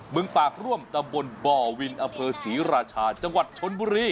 เมืองปากร่วมตำบลบ่อวินอำเภอศรีราชาจังหวัดชนบุรี